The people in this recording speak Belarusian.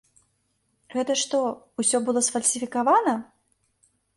Гэта што, усё было сфальсіфікавана?